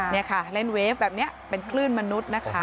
นี่ค่ะเล่นเวฟแบบนี้เป็นคลื่นมนุษย์นะคะ